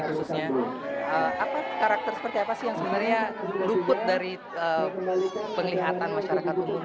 khususnya apa karakter seperti apa sih yang sebenarnya luput dari penglihatan masyarakat umum